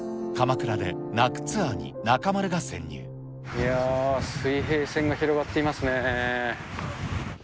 いやー、水平線が広がっていますね。